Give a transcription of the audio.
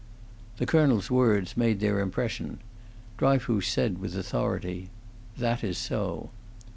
The colonel's words made their impression. Dryfoos said, with authority, "That is so."